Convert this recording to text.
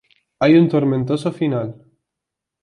Hay un tormentoso final.